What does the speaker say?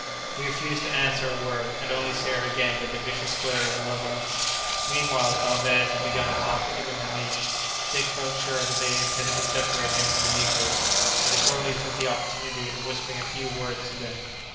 He refused to answer a word, and only stared again with the vicious glare of malevolence. Meanwhile, Alvez had begun to talk to Ibn Hamish. Dick felt sure that they intended to separate him from the negroes, and accordingly took the opportunity of whispering a few words to them.